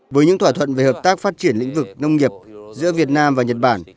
với những thỏa thuận về hợp tác phát triển lĩnh vực nông nghiệp giữa việt nam và nhật bản